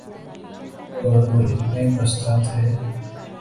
اور وہ اتنے پستہ تھے